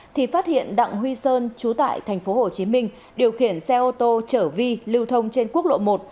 thì phát hiện đặng huy sơn chú tại tp hcm điều khiển xe ô tô chở vi lưu thông trên quốc lộ một